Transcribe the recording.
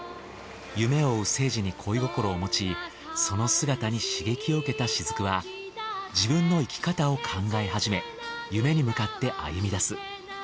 夢を追う聖司に恋心を持ちその姿に刺激を受けた雫は自分の生き方を考え始め夢に向かって歩み出す。